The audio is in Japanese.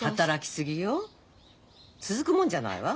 続くもんじゃないわ。